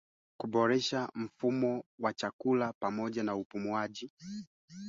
Vyombo vya habari vimeripoti kwamba anaongoza mashambulizi mapya akisaidiwa na wanajeshi wakubwa